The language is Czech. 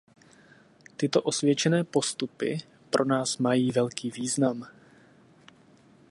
Tyto osvědčené postupy pro nás mají velký význam.